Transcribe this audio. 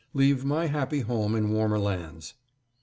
leave my happy home in warmer lands.